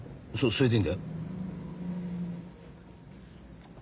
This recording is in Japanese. それでいいんだよ。